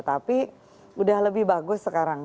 tapi sudah lebih bagus sekarang